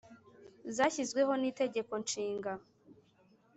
Zashyizweho n’Itegeko Nshinga